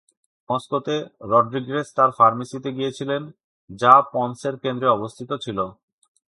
Moscoso Rodriguez তার ফার্মেসিতে গিয়েছিলেন, যা পন্সের কেন্দ্রে অবস্থিত ছিল।